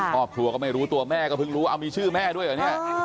ครอบครัวก็ไม่รู้ตัวแม่ก็เพิ่งรู้เอามีชื่อแม่ด้วยเหรอเนี่ย